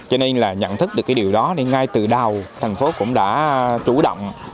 học thức được điều đó ngay từ đầu thành phố cũng đã chủ động